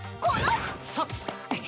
さっ！